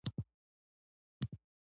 میکروبونه څه دي او چیرته اوسیږي